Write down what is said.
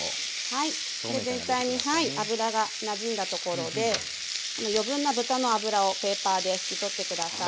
はい全体に脂がなじんだところで余分な豚の脂をペーパーで拭き取って下さい。